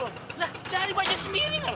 lah cari bajaj sendiri ngomong